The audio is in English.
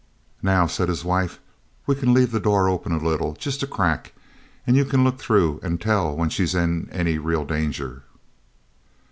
"Now," said his wife, "we c'n leave the door a little open jest a crack an' you c'n look through and tell when she's in any reel danger."